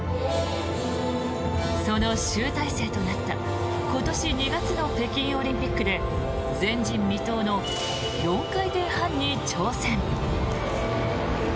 その集大成となった今年２月の北京オリンピックで前人未到の４回転半に挑戦。